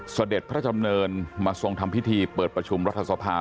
เสด็จพระดำเนินมาทรงทำพิธีเปิดประชุมรัฐสภา